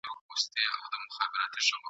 او « د سیند پرغاړه» ..